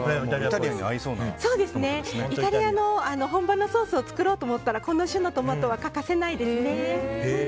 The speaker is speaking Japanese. イタリアの本場のソースを作ろうと思ったらこの種のトマトは欠かせないですね。